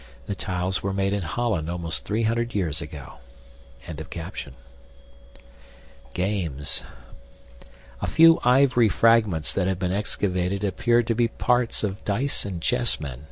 THE TILES WERE MADE IN HOLLAND ALMOST 300 YEARS AGO.] GAMES A few ivory fragments that have been excavated appear to be parts of dice and chessmen.